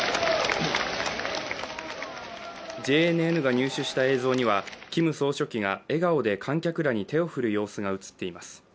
ＪＮＮが入手した映像にはキム総書記が笑顔で観客らに手を振る様子が映っています。